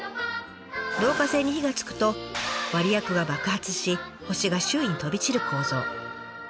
導火線に火がつくと割薬が爆発し星が周囲に飛び散る構造。